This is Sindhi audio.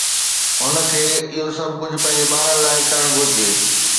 هن کي اهو سڀ ڪجهه پنهنجي ٻارن لاءِ ڪرڻ گهرجي